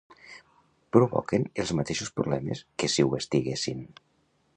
Provoquen els mateixos problemes que si ho estiguessin.